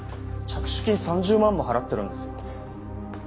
着手金３０万も払ってるんですよ。